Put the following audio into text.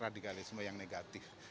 radikalisme yang negatif